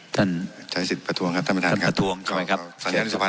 ท่านเจยสิทธิ์ประทวงครับท่านประทวงสิมีครับ